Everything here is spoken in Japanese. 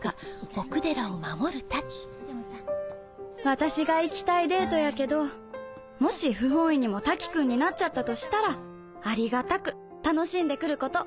私が行きたいデートやけどもし不本意にも瀧くんになっちゃったとしたらありがたく楽しんでくること！